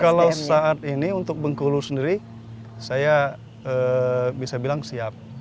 kalau saat ini untuk bengkulu sendiri saya bisa bilang siap